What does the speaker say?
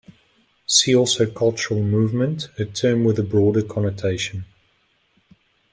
See also cultural movement, a term with a broader connotation.